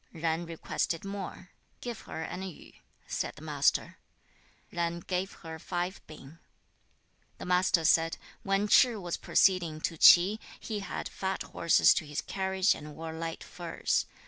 Yen requested more. 'Give her an yu,' said the Master. Yen gave her five ping. 2. The Master said, 'When Ch'ih was proceeding to Ch'i, he had fat horses to his carriage, and wore light furs.